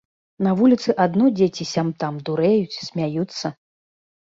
На вуліцы адно дзеці сям-там дурэюць, смяюцца.